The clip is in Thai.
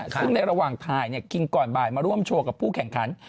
ซึ่งในระหว่างถ่ายกินก่อนบ่ายมาร่วมโชว์กับผู้แข่งขัน